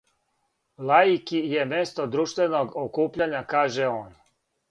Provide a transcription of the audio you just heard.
Лаики је место друштвеног окупљања, каже он.